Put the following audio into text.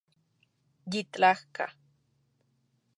Yitlajka